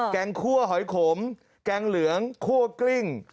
แกงคั่วหอยขมแกงเหลืองคั่วกลิ้ง